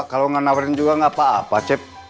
kalau nggak nawarin juga nggak apa apa cep